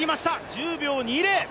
１０秒２０。